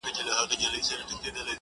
دا کيسه درس ورکوي ډېر,